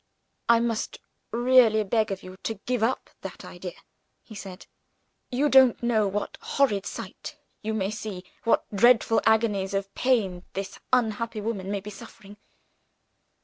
"I must really beg of you to give up that idea," he said; "you don't know what horrid sight you may see what dreadful agonies of pain this unhappy woman may be suffering."